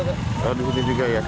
di sini juga ya